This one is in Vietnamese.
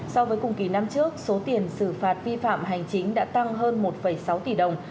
so với cùng kỳ năm trước số tiền xử phạt vi phạm hành chính đã tăng hơn một sáu tỷ đồng